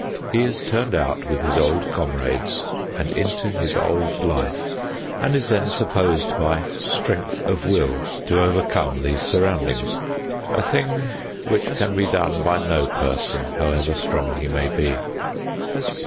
He is turned out with his old comrades and into his old life, and is then supposed by strength of will to overcome these surroundings, a thing which can be done by no person, however strong he may be.